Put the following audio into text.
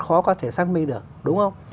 khó có thể xác minh được đúng không